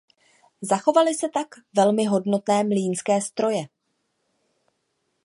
Zachovaly se tak velmi hodnotné mlýnské stroje.